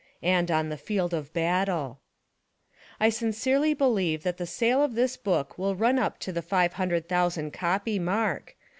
. and on the field of BATTLE. I sincerely believe tlhat the sale of this book will run up to the 500,000 copy m.ark.